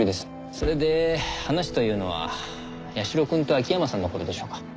それで話というのは八代くんと秋山さんの事でしょうか？